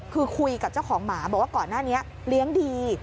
คือคุยกับเจ้าของหมาบอกว่าก่อนหน้านี้เลี้ยงดี